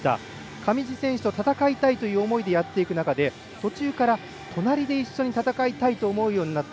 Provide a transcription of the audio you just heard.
上地選手と戦いたいという思いでやっていく中で、途中から隣で一緒に戦いたいと思うようになった。